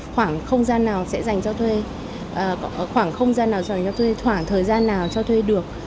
khoảng không gian nào sẽ dành cho thuê khoảng thời gian nào cho thuê được